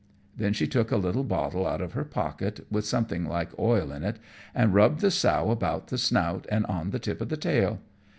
Then she took a little bottle out of her pocket, with something like oil in it, and rubbed the sow about the snout and on the tip of the tail.